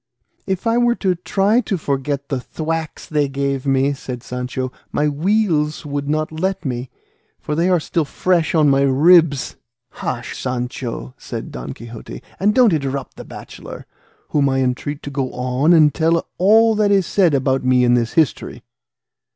"If I were to try to forget the thwacks they gave me," said Sancho, "my weals would not let me, for they are still fresh on my ribs." "Hush, Sancho," said Don Quixote, "and don't interrupt the bachelor, whom I entreat to go on and tell all that is said about me in this history."